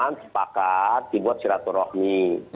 teman teman sepakat dibuat siratur rohmi